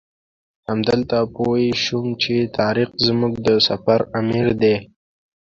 همدلته پوی شوم چې طارق زموږ د سفر امیر دی.